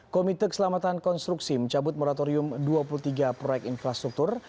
komite keselamatan konstruksi mencabut moratorium dua puluh tiga proyek infrastruktur